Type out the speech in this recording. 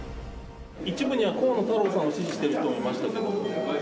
一部には河野太郎さんを支持してるという人もいましたけど。